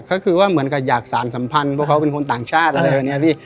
ก็คือว่าเหมือนกับอยากสารสัมพันธ์พวกเขาเป็นคนต่างชาติอะไรแบบนี้พี่